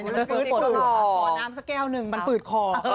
มันฝืดขอดออกขอน้ำสักแก้วหนึ่งมันฝืดขอ